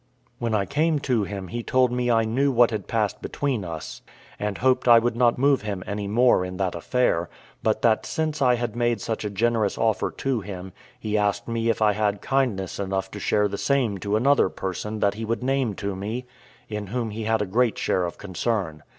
When I came to him he told me I knew what had passed between us, and hoped I would not move him any more in that affair; but that, since I had made such a generous offer to him, he asked me if I had kindness enough to offer the same to another person that he would name to me, in whom he had a great share of concern.